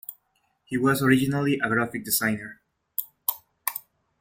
He was originally a graphic designer.